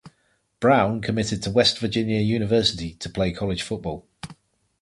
Brown committed to West Virginia University to play college football.